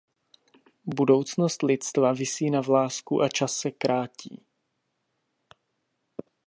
Budoucnost lidstva visí na vlásku a čas se krátí.